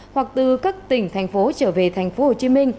hoặc từ các tỉnh thành phố trở về tp hcm